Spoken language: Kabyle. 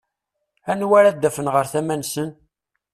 Nawa ara d-afen ɣer tama-nsen?